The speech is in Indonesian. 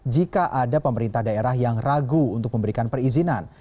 jika ada pemerintah daerah yang ragu untuk memberikan perizinan